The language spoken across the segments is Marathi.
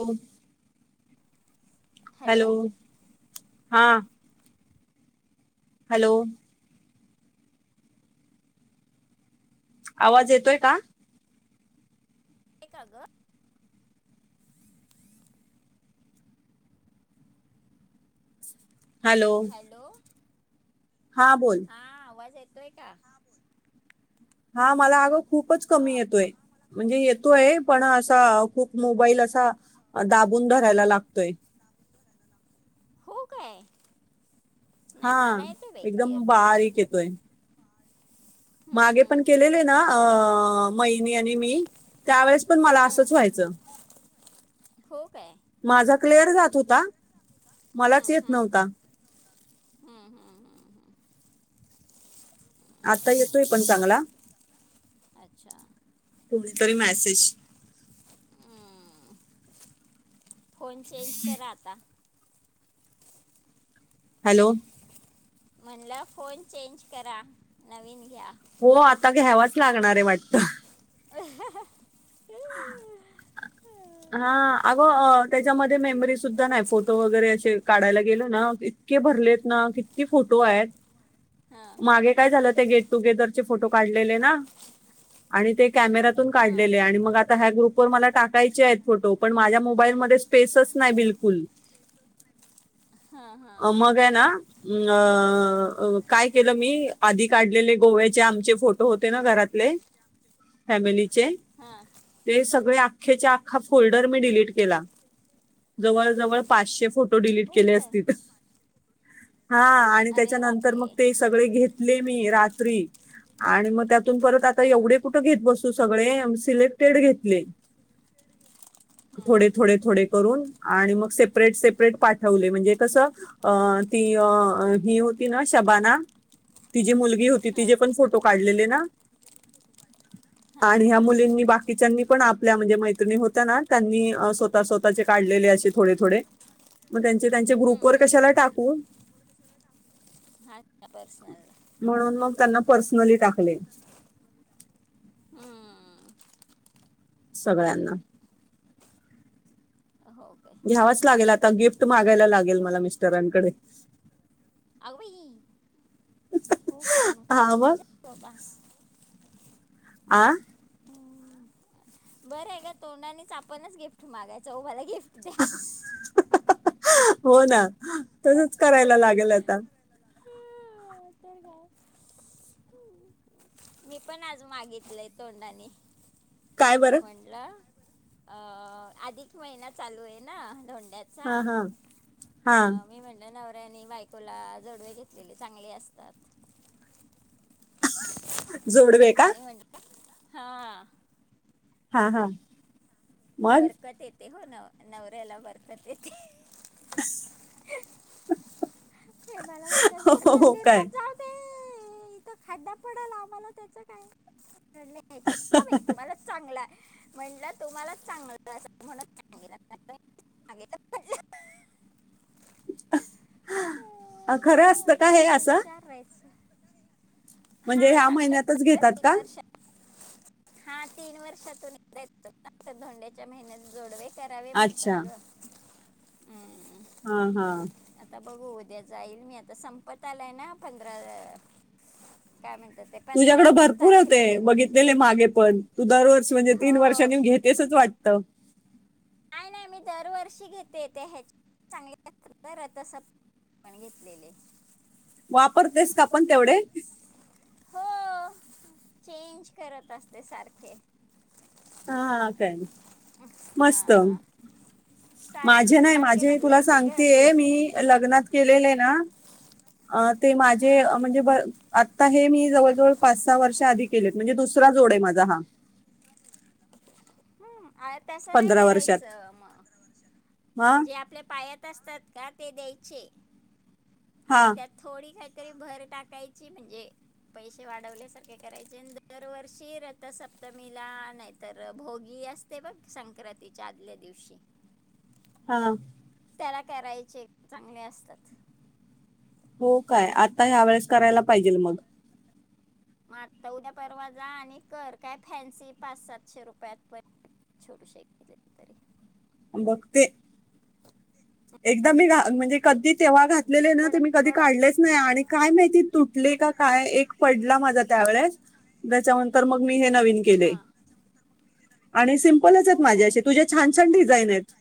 हो हॅलो हा. हॅलो आवाज येतोय का? एका ग हॅलो हा बोल. हा आवाज येतोय का? हा बोल. हा मला अगं खूपच कमी येतोय म्हणजे येत तोय पण असा खूप मोबाईल असा दाबून धरायला लागतोय. हो काय. नाही हा मला येते बाई एकदम क्लिअर तुझा बारीक येतोय. हम्म मागे पण हम्म केलेले हम्म ना अ महिनी आणि मी त्यावेळेस पण मला असचं हम्म व्हायचं. हो काय. माझा क्लिअर जात होता हम्म मलाच येत हम्म नव्हता. हम्म हम्म हम्म हम्म. आता येतोय पण चांगला. अच्छा कुणीतरी मॅसेज हम्म फोन चेंज करा आता. हॅलो म्हणलं फोन चेंज करा नवीन घ्या. हो आता घ्यावाच लागणार आहे वाटतं. अहहह ह् हा अगं अ त्याच्यामध्ये मेमरी सुद्धा नाही फोटो वगैरे असे काढायला गेलो ना कि इतके भरलेत ना, किती फोटो आहेत, हां मागे काय झालं ते गेटटुगेदर चे फोटो काढलेले ना आणि ते कॅमेरातून हां काढलेले आणि मग आता ह्या ग्रुपवर मला टाकायचेएत फोटो पण माझ्या मोबाईल मध्ये स्पेसच नाय बिलकुल. हां हां अ हां मग हे हां ना न, अ अ काय केलं मी, आधी काढलेले गोव्याचे आमचे फोटो होते ना, घरातले फॅमिलीचे, हां ते सगळे आख्खेच्या आख हा फोल्डर मी डिलीट केला जवळ जवळ पाचशे फोट तो डिलीट हो केले काय असतील. हा आणि अरे त्याच्यानंतर, बापरे मग ते सगळे घेतले मी रात्री आणि म त्या म परत आता हां एवढे कुठं घेत बसू सगळे सिलेक्टेड घेतले. हां थोडे थोडे थोडे करून, आणि मग सेपरेट, सेपरेट, पाठवले म्हणजे कसं, अ ती अ ही होत ती ना शबाना, तिजी मुलगी होती, तिजे हां पण फोटो काढलेले ना, हां आणि ह्या मुलींनी बाकीच्यांनी पण आपल्या म्हणजे मैत त्रिणी होत्या ना, त्यांनी अ स्वतः स्वतःचे काढलेले असे थोडे थोडे म त्यांचे त्यांच्या हम्म ग्रुपवर हम्म कशाला हम्म टाकू? हा. पर्सनल म्हणून मग त्यांना पर्सनली टाकले. हम्म सगळ्यांना. हो काय घ्यावाच लागेल आता गिफ्ट मागायला लागेल मला मिस्टरांकडे. अगबाई [unintelligible] हो काय म काय हा मग [unintelligible] जॉब आहे आ? बरहे गं तोंडानीच आपणच गिफ्ट मागायचं हो मला गिफ्ट द्या. हो ना हा, तसंच करायला लागेल आता. तर काय हम्म. मी पण आज मागितलंय तोंडाने काय बरं म्हंडलं अ आधिक महिना चालू आहे ना, धोंड हा हा हा. त्याने बायकोला जोडवे घेतलेले चांगले असतात. जोडवे का? हां. हा हा. मग बरकत येते हो ना, नवऱ्याला बरकत येते. ते मला म्हणतात हो हो, बरकत हो काय बिरकत जाऊ दे. हं इथं खड्डा पडल आम्हाला त्याचं काय? म्हणलं खड्ड्यात [unintelligible] बाई तुम्हाला चांगला. म्हणलं तुम्हालाच चांगलं असल [unintelligible] [inaudible] अं, खरं मला असतं का हे म्हणतात असं? हुशार राहायचं म्हणजे हा ह्या चांगलं महिन्यातच चांगलं घेतात तीन का? वर्ष हा तीन वर्षातून [unintelligible] धोंड्याच्या महिन्यात जोडवे. करावे अच्छा म्हणतात गं हम्म. हा हा. आता बघू उद्या जाईल मी आता संपत आलाय ना पंधरा अ काय म्हणतात. ते पंधरा तुझ्याकडे भरपूर होते तारखेपर्यंत. बघितलेले मागे पण तू दरवर्षी म्हणजे तीन हो वर्षानी घेतेसच वाटतं. नाय नाय न मी दरवर्षी घेते त्या ह्याच्या [unintelligible] चांग रथसप् पण घेतलेले. वापरतेस का पण तेवढे? हो चेंज करत असते सारखे. हा का मस्त हां सार माझे नाही सारखे माझे तुला बदलायचे ग सांगतेय तेच मी लग्नात केलेले ना अ ते हां माझे म्हणजे ब आत्ता हे मी जवळजवळ पाच सहा वर्ष आधी केलेत म्हणजे दुसरा जोड आहे माझा हा अ तसं नाही पंधरा वर्षात करायचं हा मग जे आपल्या पायात असतात का ते द्यायचे हा आणि त्यात थोडी काही तरी भर टाकायची म्हणजे पैसे वाढवल्यासारखे करायचे दरवर्षी रथसप्तमीला नाहीतर भोगी असते व संक्रांतीच्या आदल्या दिवशी हा त्याला कराईचे चांगले असतात हो काय आता ह्या वेळेस करायला पाहिजेल मग माझ तर उद्या परवाजा आणि कर काय फॅन्सी पाच सातशे रुपयात पर्यंत छोटीशी घेतले तरी बघते एकदाम मी घ म्हणजे कधी तेव्हा घातलेले ना ते कडक मी कधी कडक काढलेच नाही आणि काय माहिती तुटले का काय एक पडला माझा त्या वळेस त्याच्यानंतर मग मी हे नवीन केले हा आणि सिमपलच आहेत हो काय माझ्याशी तुझ्या छान छान डिझाईन आहेत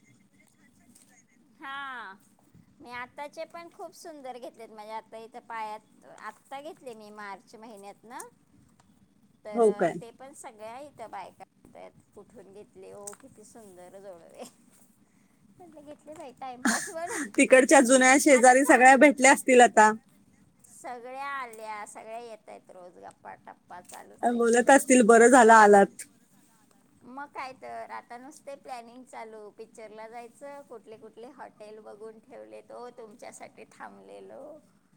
हा [inaudible] मी आताचे पण खूप सुंदर घेतलेत म्हणजे आता इथ पायात आत्ता घेतली मी मार मार्च महिन्यात ना [inaudible] तर हो काय ते पण सगळ्या इथं बायकतात कुठून घेत किती सुंदर जवळ रे म्हट तिकडच्या जुन्या आता शेजारी सगळ्या छान भेटल्या असतील आता सगळ्या आल्या सगळ्या येतय रोज गप्पा टप्पा चालूच आहे बर झाला आलात मग काय तर आता नुसते प्लॅनिंग चालू पिक्चर ला जायचं कुठले कुठले हॉटेल बघून ठेवले तो तुमच्यासाठी थांबलेलो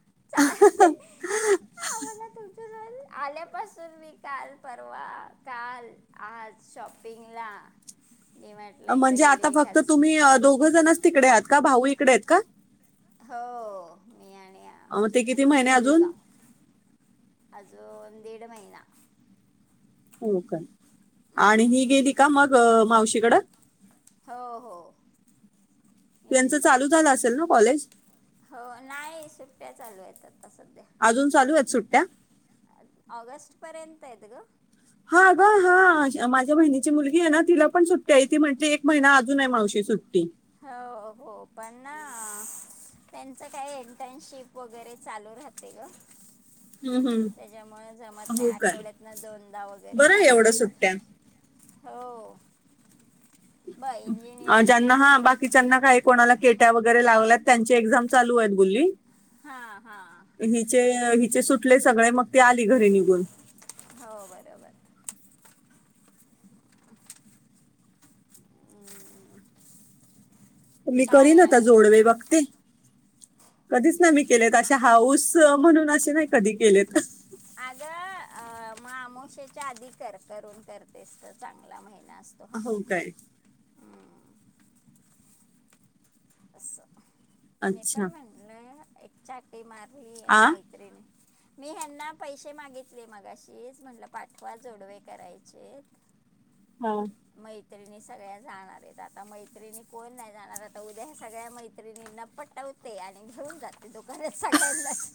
[inaudible] मला तु आल्यापासून मी काल परवा काल आज शॉपिंगला मी म्हटलं एकदा म्हणजे आता गेले फक्त कालच तुम्ही दोघं जणच तिकडे आहात का भाऊ इकडे आहेत का हो मी आणि अं, अ मग ते किती महिने अजून आ दिड महिना हो का आणि ही हम्म. गेली का मग मावशीकड हो हो त्यांच गेली ती चालू झालं असेल ना कॉलेज ्या चालू येतात अजून चालू आहेत सुट्ट्या ऑगस्ट पर्यंत येत ग हा ग हा माझ्या बहिणीची मुलगी आहे ना तिला पण सुट्टी आहे ती म्हटली एक महिना अजून मावशी सुट्टी हो हो पण ना त्यांच काय इंटर्नशिप वगैरे चालू राहते ग हम्म, हम्म. त्याच्यामुळं जमत नाही हो काय आठवड्यात न दोनदा वगैरे बरं आहे जावं एवढं लागत सुट्ट्या हो ब इंजिनिअरिंगला अं--ज्यांना हा भरपूर बाकीच्यांना काय कोणाला केट्या वगैरे लाव त्यांची एक्झाम चालू आहेत बोली हा. हा. ते सुटले सगळे मग ते आली घरी निघून हो बरोबर [unintelligible] [inaudible] हम्म, मी काय करीन आता जोडवे बघते, कधीच नाय मी केलेत आ- अशा हाऊस म्हणून असे नाही कधी केलेत अगं अ अं.. मग अमावस्येच्या आधी कर करून करतेस तर चांगला महिना हो काय [unintelligible] [inaudible] असं मी पण अच्छा म्हटलं, एक चाटी मारली आहे आ मैत्रिणी मी ह्यांना पैसे मागितले मगाशीच, म्हटलं पाठवा जोडवे करायचेत हा मैत्रिणी सगळ्या जाणार आहेत, आता मैत्रिणी कोण नाही जाणार, आता उद्या ह्या सगळ्या मैत्रिणींना पट आणि घेवून जाते दुकानात सगळयांनाच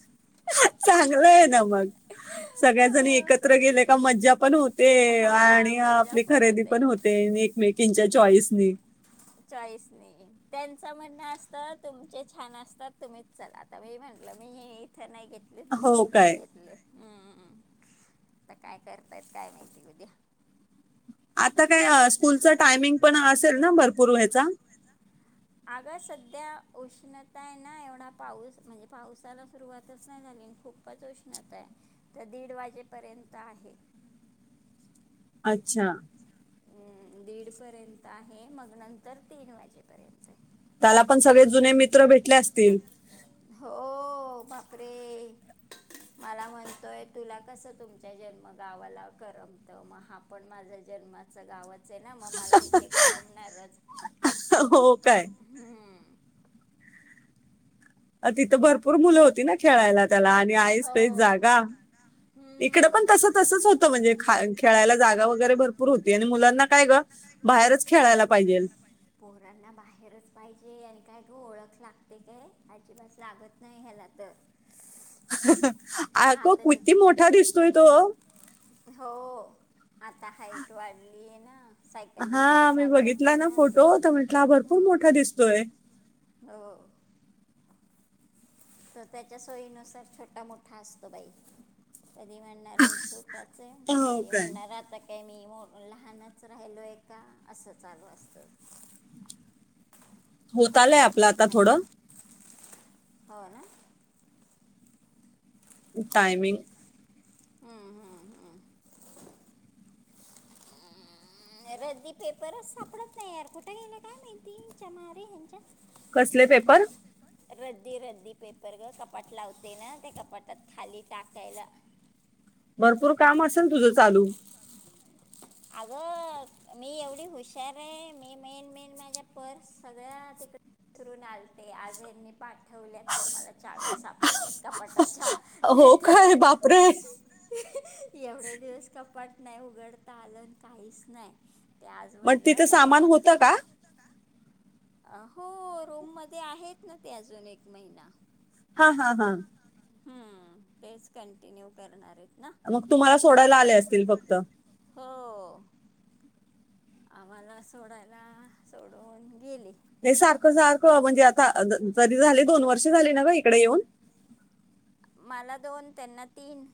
चांगलं आहे ना मग सगळ्याजणी एकत्र गेले का मज्जा पण होते ते, आणि आपली खरेदी पण होते एकमेकींच्या चॉइसनी चॉइसनी, त्यांच म्हणणं असतं, तुमचे छान असतात तुम्हीच चला आता मी म्हण मी इथं नाही घेतलेत हो दुसरीकडे काय घेतलेत. उम्म, आता काय करतायत काय माहिती उद्या आता काय स्कूलच टायमिंग पण असेल ना भरपूर व्याचा आग सध्या उष्णताय हाय ना, एवढा पाऊस म्हणजे पावसाला सुरुवातच नाही झाली. खूपच उष्णता आहे, तर दीड वाजेपर्यंत आहे. अच्छा. हम्म, दीडपर्यंत आहे, मग नंतर तीन वाजेपर्यंत आहे. त्याला पण सगळे जुने मित्र भेटले असतील हो, बापरे मला म्हणतोय, तुला कस तुमच्या जन्म गावाला करमतं मग हा पण माझा ज जन्माच गाव ना मग मला तेे करमणारच हो काय हम्म अ तिथं भरपूर मुलं होती ना खेळायला त्याला आणि ऐसपैस हो जागा इकडे हम्म पण तस-तसंच होतं म्हणजे खळ-खेळायला जागा वगैरे भरपूर होती, आणि मुलांना काय गं बाहेरच खेळायला पाहिजे. पोरांना बाहेरच पाहिजे, आणि काय ओळख लागते काय, अजिबात लागत नाही. [unintelligible] तर. आग हा तर जे किती मोठा दिसतोय तो हो आता हाईट वाढलीय ना सायकल बिकल हा मी बघितला चालवतो ना फोटो, तर म्हटला हा भरपूर हम्म मोठा दिसतोय. हो. तो त्याच्या सोयीनुसार छोटा-मोठा असतो बाई कधी म्हणणार मी छोटाच आहे, हो कधी काय म्हणणार आता काय मी लहानच राहिलोय का असं चालू असतं होत आलय आपलं आता थोडं हो ना. टायमिंग हम्म. हम्म. हम्म. रद्दी पेपरच सापडत नाही यार, कुठे गेले काय माहिती हेच्या मारी ह्यांच्या कसले पेपर? रद्दी-रद्दी पेपर गं, कपाट लावते ना. त्या कपाटात खाली टाकायला. भरपूर काम असेल तुझं चालू अगं मी एवढी हुशार आहे, मी मेन मेन माझ्या पर्स सगळ्या तिकडे विसरून आलते आज हेनी पाठ पाठवल्या तर मला चाव्या सापडल्यात कपाटाच्या हो काय नाहीतर बापरे [unintelligible] [inaudible] एवढे दिवस कपाट नाही उघडता आलं न काहीच नाय. मग तिथे सामान होत का? अ हो रोम मध्ये आहेत, ना ते अजून एक महिना. हा हा हा. हम्म तेच कंटिन्यू करणारएत. मग तुम्हाला सोडायला आले असतील फक्त? हो आम्हाला सोडायला सोडून गेले. हे सारखं सारखं म्हणजे, आता अ जरी झाले दोन वर्ष झाले ना ग इकडे येऊन? [inaudible] मला दोन त्यांना तीन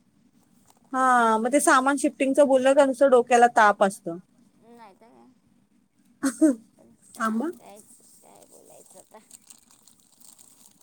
हा म ते सामान शिफ्टिंगचं बोललं का नुसत डोक्याला ताप असतं. नाहीत काय पण थांबा सांगायच काय? बोलायचा तर